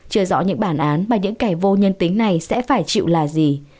chưa rõ những bản án mà những kẻ vô nhân tính này sẽ phải chịu là gì